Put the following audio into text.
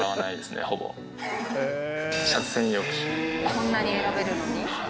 こんなに選べるのに？